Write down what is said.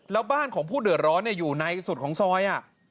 แล้วบ้านของผู้เดือดร้อนอยู่ในสุดของซอย